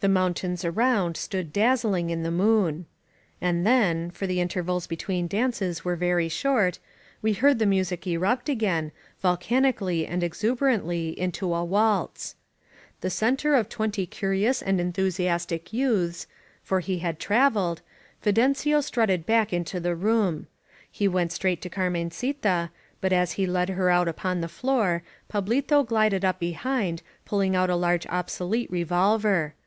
The mountains around stood dazzling in the moon. And then, for the intervals between dances were very short, we heard the music erupt again, volcanically and exu* berantly, into a waltz. The center of twenty curi ous and enthusiastic youths — for he had traveled — ^Fi dencio strutted back into the room. He went straight to Carmencita, but as he led her out upon the floor Pablito gUded up behind, pulling out a large obsolete revolver.